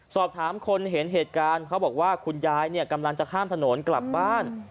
สอบถามคนเห็นเหตุการณ์เขาบอกว่าคุณยายเนี่ยกำลังจะข้ามถนนกลับบ้าน